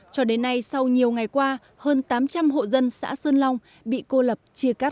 cho đến nay sau nhiều ngày qua hơn tám trăm linh hộ dân xã sơn long bị cô lập chia cắt